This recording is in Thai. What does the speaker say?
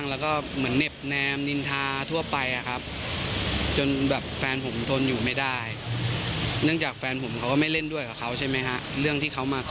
เรื่องที่เขามาเกาะแก่อย่างนี้ฮะ